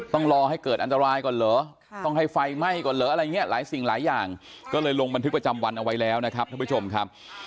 ต้องรอให้เกิดอันตรายก่อนเหรอ